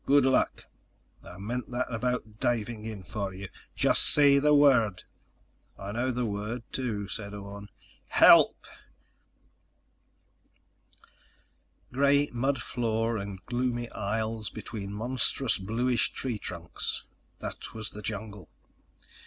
"Good luck. I meant that about diving in for you. Just say the word." "I know the word, too," said Orne. "HELP!" Gray mud floor and gloomy aisles between monstrous bluish tree trunks—that was the jungle.